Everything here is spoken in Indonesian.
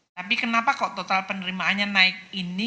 tapi kenapa kok total penerimaannya naik ini